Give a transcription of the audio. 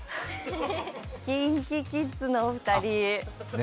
ＫｉｎＫｉＫｉｄｓのお二人。